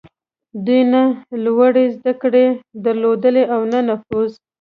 دوی نه لوړې زدهکړې درلودې او نه نفوذ.